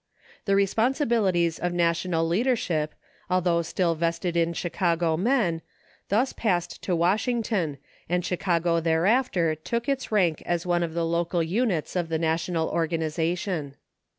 The responsi bilities of national leadership, although still vested in Chicago men, thus passed to Washington, and Chicago thereafter took its rank as one of the local units of the national organization.